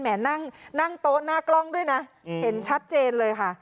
นั่งนั่งโต๊ะหน้ากล้องด้วยนะเห็นชัดเจนเลยค่ะ